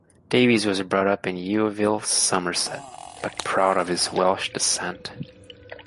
Davies was brought up in Yeovil, Somerset, but proud of his Welsh descent.